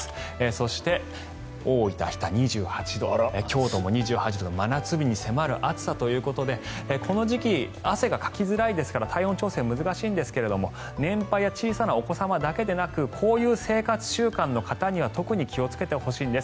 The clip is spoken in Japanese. そして、大分・日田、２８度京都も２８度真夏日に迫る暑さということでこの時期、汗がかきづらいですが体温調整が難しいんですが年配や小さなお子様だけでなくこういう生活習慣の方には特に気をつけてほしいんです。